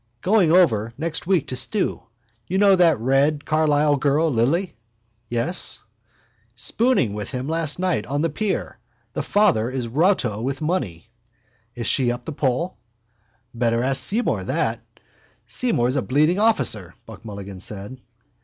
—Going over next week to stew. You know that red Carlisle girl, Lily? —Yes. —Spooning with him last night on the pier. The father is rotto with money. —Is she up the pole? —Better ask Seymour that. —Seymour a bleeding officer! Buck Mulligan said.